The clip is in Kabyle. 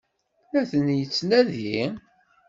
La ten-yettnadi?